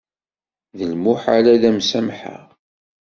D lmuḥal ad m-samḥeɣ.